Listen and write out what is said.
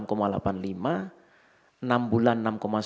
enam bulan enam sembilan puluh lima